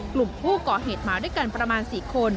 กลุ่มผู้ก่อเหตุมาด้วยกันประมาณ๔คน